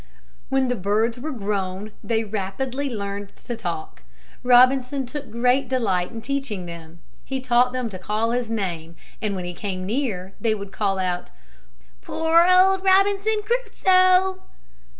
When the birds were grown they rapidly learned to talk. Robinson took great delight in teaching them. He taught them to call his name and when he came near they would call out, "Poor old Robinson Crusoe!"